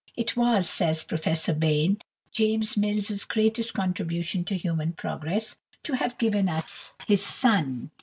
"It was," says Professor Bain, "James Mill's greatest contribution to human progress to have given us his son."